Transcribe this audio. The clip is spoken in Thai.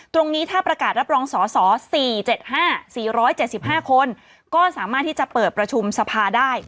ตรงนี้ถ้าประกาศรับรองสอสอ๔๗๕๔๗๕คนก็สามารถที่จะเปิดประชุมสภาได้